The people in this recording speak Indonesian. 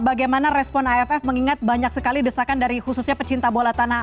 bagaimana respon aff mengingat banyak sekali desakan dari khususnya pecinta bola tanah